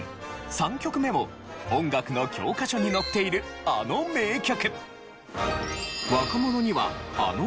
３曲目も音楽の教科書に載っているあの名曲。